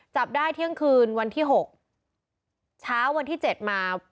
จับได้เที่ยงคืนวันที่หกเช้าวันที่เจ็ดมา